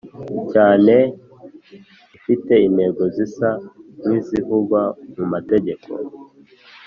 cyane ifite intego zisa nk izivugwa mu mategeko